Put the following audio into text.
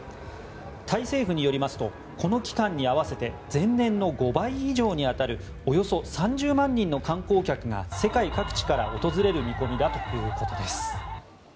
タイ政府によりますとこの期間に合わせて前年の５倍以上に当たるおよそ３０万人の観光客が世界各地から訪れる見込みだということです。